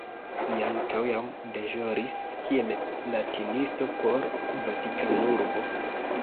Li ankaŭ jam deĵoris kiel latinisto por Vatikanurbo.